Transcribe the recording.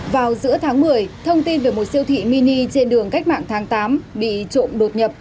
vào giữa tháng một mươi thông tin về một siêu thị mini trên đường cách mạng tháng tám bị trộm đột nhập